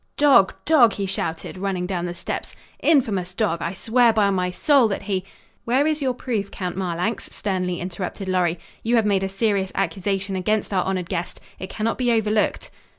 "Dog! Dog!" he shouted, running down the steps. "Infamous dog! I swear by my soul that he " "Where is your proof, Count Marlanx?" sternly interrupted Lorry. "You have made a serious accusation against our honored guest. It cannot be overlooked."